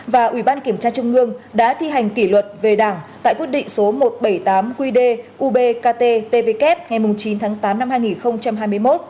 và ủy ban kiểm tra trung ương đã thi hành kỷ luật về đảng tại quyết định số một trăm bảy mươi tám qd ubkt pvk ngày chín tháng tám năm hai nghìn hai mươi một